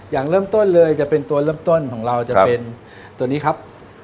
อย่างเริ่มต้นเลยจะเป็นตัวเริ่มต้นของเราจะเป็นตัวนี้ครับ